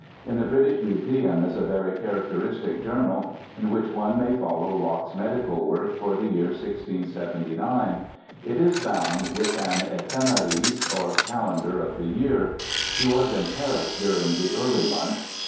In the British Museum is a very characteristic journal in which one may follow Locke's medical work for the year 1679. It is bound with an Ephemeris or Calendar of the year. He was in Paris during the early months.